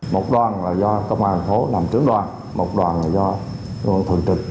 một đoàn là do công an thành phố làm trưởng đoàn một đoàn là do thượng trực